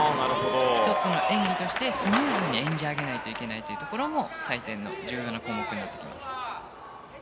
１つの演技としてスムーズに演じ上げないといけないというところも採点の重要な項目になってきます。